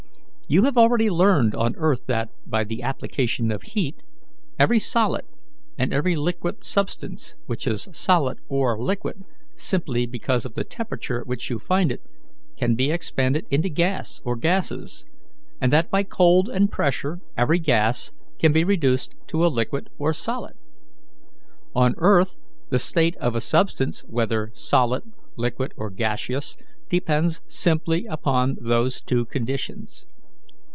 You have already learned on earth that, by the application of heat, every solid and every liquid substance, which is solid or liquid simply because of the temperature at which you find it, can be expanded into gas or gases; and that by cold and pressure every gas can be reduced to a liquid or a solid. On earth the state of a substance, whether solid, liquid, or gaseous, depends simply upon those two conditions.